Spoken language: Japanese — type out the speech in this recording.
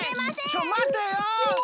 ちょっまてよ！